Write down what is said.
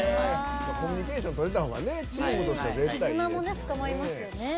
コミュニケーションとれたほうがチームとして絶対いいですよね。